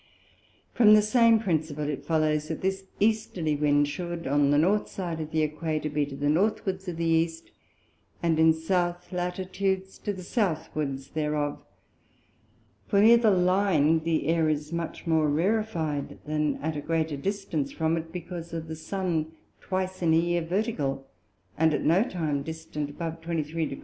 From the same Principle it follows, that this Easterly Wind should on the North side of the Æquator, be to the Northwards of the East, and in South Latitudes to the Southwards thereof; for near the Line, the Air is much more rarified, than at a greater distance from it; because of the Sun twice in a Year Vertical, and at no time distant above 23 Degr.